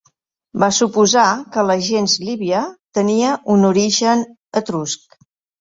Va suposar que la gens Lívia tenia un origen etrusc.